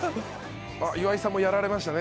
岩井さんもやられましたね